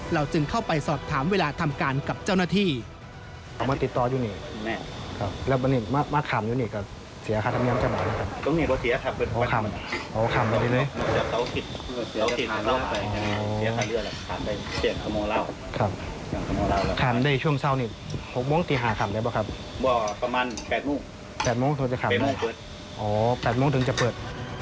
จึงเข้าไปสอบถามเวลาทำการกับเจ้าหน้าที่